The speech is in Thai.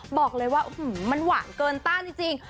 บอกเลยว่ามันหวานเกินต้านจริง